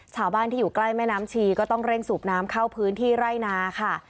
ชาวบ้านที่อยู่ใกล้แม่น้ำชีก็ต้องเร่งสูบน้ำเข้าพื้นที่ไร่นาค่ะ